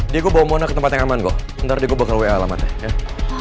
diego bawa mona ke tempat yang aman kok ntar diego bakal wa alamatnya ya